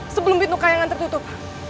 sebelum pintu kayangan tertutup